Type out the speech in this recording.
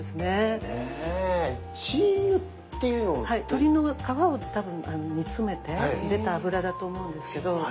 鶏の皮を多分煮詰めて出た油だと思うんですけど。